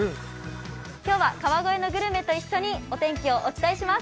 今日は川越のグルメと一緒にお天気をお伝えします。